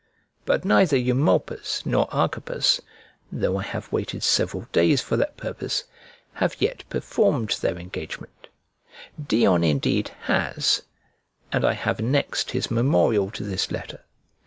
But neither Eumolpus nor Archippus (though I have waited several days for that purpose) have yet performed their engagement: Dion indeed has; and I have annexed his memorial to this letter.